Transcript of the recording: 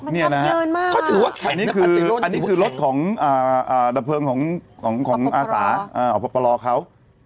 เนี่ยนะครับอันนี้คือรถของดะเพลิงของอสาออกประปรอเขา